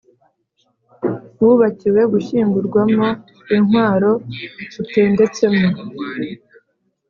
wubakiwe gushyingurwamo intwaro utendetsemo